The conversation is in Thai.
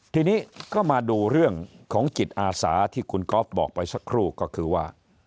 ทีนี้ก็มาดูเรื่องของจิตอาสาที่คุณก๊อฟบอกไปสักครู่ก็คือว่า